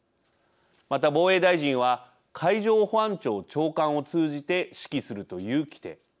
また防衛大臣は海上保安庁長官を通じて指揮するという規定。